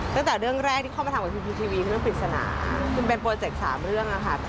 ตั้งแต่เรื่องแรกที่เข้ามาทำกับทีมทีวีคือเรื่องปริศนาคือเป็นโปรเจกต์๓เรื่องอะค่ะ